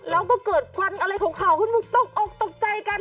แล้วก็เกิดพันธุ์อะไรของเขาขึ้นตกออกตกใจกัน